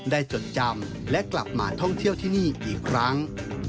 จดจำและกลับมาท่องเที่ยวที่นี่อีกครั้ง